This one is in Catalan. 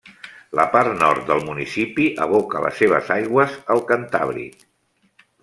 La part nord del municipi aboca les seves aigües al Cantàbric.